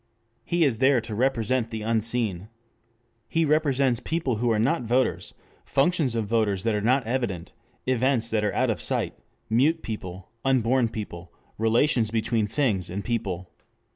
He is there to represent the unseen. He represents people who are not voters, functions of voters that are not evident, events that are out of sight, mute people, unborn people, relations between things and people.